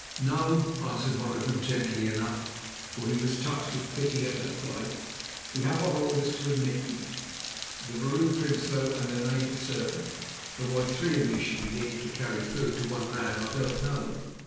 "No," answered one of them gently enough, for he was touched with pity at her plight. "We have our orders to admit you, the Vrouw Prinsloo and the native servant, though why three of you should be needed to carry food to one man, I don't know.